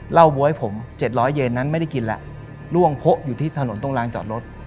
บ๊วยผม๗๐๐เยนนั้นไม่ได้กินแล้วล่วงโพะอยู่ที่ถนนตรงรางจอดรถ